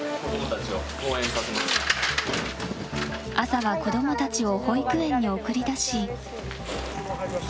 朝は子供たちを保育園に送り出し。